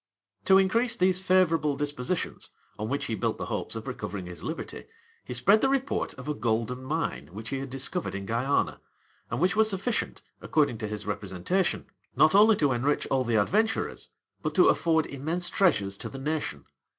To increase these favorable dispositions, on which he built the hopes of recovering his liberty, he spread the report of a golden mine which he had discovered in Guiana, and which was sufficient, according to his representation, not only to enrich all the adventurers, but to afford immense treasures to the nation.